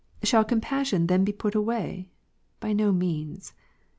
Shall compassion then be put away? by no means.